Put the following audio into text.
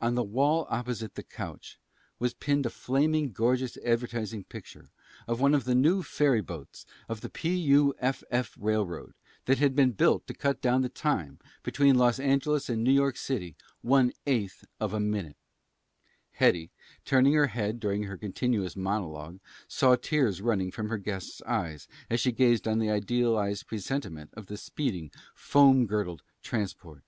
On the wall opposite the couch was pinned a flaming, gorgeous advertising picture of one of the new ferry boats of the P. U. F. F. Railroad that had been built to cut down the time between Los Angeles and New York City one eighth of a minute. Hetty, turning her head during her continuous monologue, saw tears running from her guest's eyes as she gazed on the idealized presentment of the speeding, foam girdled transport.